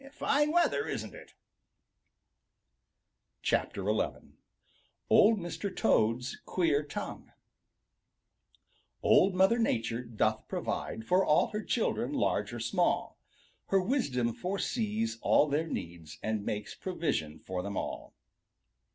Fine weather, isn't it?" XI OLD MR. TOAD'S QUEER TONGUE Old Mother Nature doth provide For all her children, large or small. Her wisdom foresees all their needs And makes provision for them all.